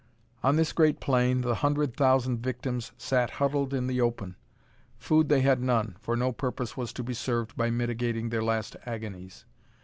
On this great plain the hundred thousand victims sat huddled in the open. Food they had none, for no purpose was to be served by mitigating their last agonies.